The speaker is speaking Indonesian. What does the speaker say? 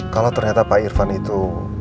kalau ternyata pak irfan itu